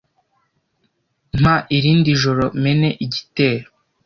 Mpa irindi joro mene igitero,